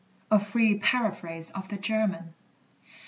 A FREE PARAPHRASE OF THE GERMAN.